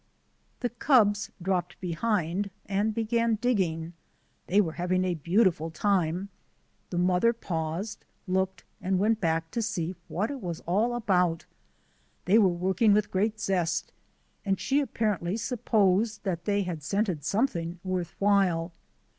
The cubs dropped behind and began digging; they were having a beautiful time. The mother paused, looked, and went back to see what it was all about. They were working with great zest, and she apparently supposed that they had scented something worth while.